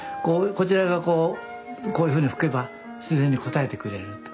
こちらがこういうふうに吹けば自然に応えてくれると。